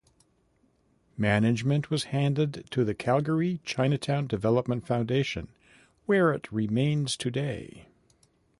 Management was handed to the Calgary Chinatown Development Foundation where it remains today.